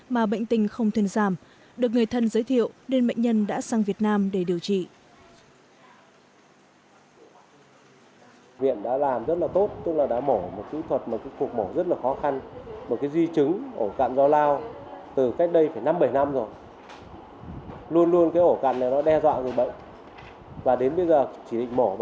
mà bệnh tình không thuyền giảm được người thân giới thiệu nên bệnh nhân đã sang việt nam để điều trị